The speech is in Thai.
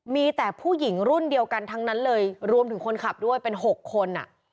มีแต่ผู้หญิงรุ่นเดียวกันทั้งนั้นเลยรวมถึงคนขับด้วยเป็น๖คน